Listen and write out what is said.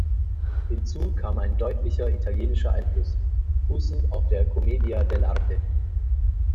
Hinzu kam ein deutlicher italienischer Einfluss, fußend auf der Commedia dell’arte.